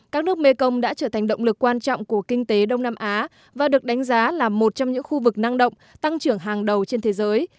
các nước mekong đã trở thành động lực quan trọng của kinh tế đông nam á và được đánh giá là một trong những khu vực năng động tăng trưởng hàng đầu trên thế giới